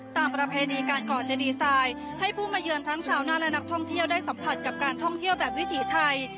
ประเพณีการก่อเจดีไซน์ให้ผู้มาเยือนทั้งชาวหน้าและนักท่องเที่ยวได้สัมผัสกับการท่องเที่ยวแบบวิถีไทย